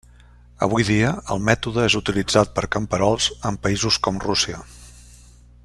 Avui dia el mètode és utilitzat per camperols en països com Rússia.